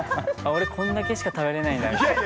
俺こんだけしか食べれないんだって。